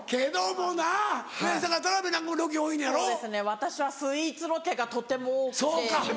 私はスイーツロケがとても多くて。